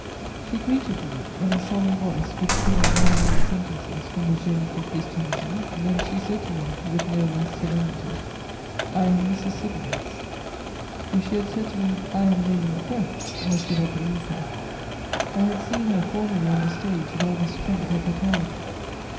She greeted me in a solemn voice with three mangled sentences from the Génie du Christianisme; then she said to me, with no less solemnity: "I am Mrs Siddons." If she had said to me, "I am Lady Macbeth," I should have believed her. I had seen her formerly on the stage in all the strength of her talent.